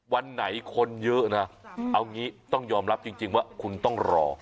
วันไหนคนเยอะนะเอางี้ต้องยอมรับจริงว่าคุณต้องรอ